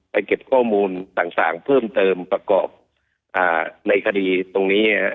เก็บข้อมูลต่างเพิ่มเติมประกอบในคดีตรงนี้